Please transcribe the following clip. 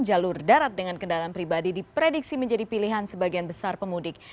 jalur darat dengan kendaraan pribadi diprediksi menjadi pilihan sebagian besar pemudik